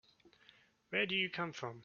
Where do you come from?